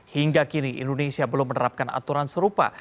hingga kini indonesia belum menerapkan aturan serupa